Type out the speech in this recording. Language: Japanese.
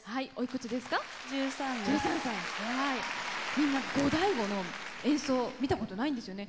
みんなゴダイゴの演奏見たことないんですよね？